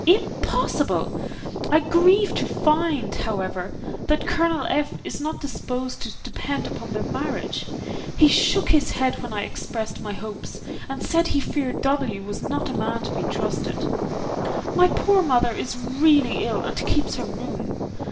Impossible! I grieve to find, however, that Colonel F. is not disposed to depend upon their marriage: he shook his head when I expressed my hopes, and said he feared W. was not a man to be trusted. My poor mother is really ill, and keeps her room.